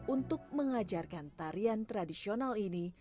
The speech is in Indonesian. untuk mengajarkan tarian tradisional ini